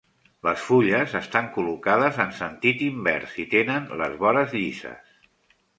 Les fulles estan col·locades en sentit invers i tenen les vores llises.